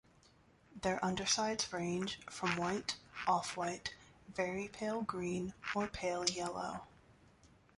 Their undersides range from white, off white, very pale green, or pale yellow.